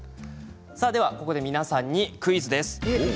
ここで皆さんにクイズです。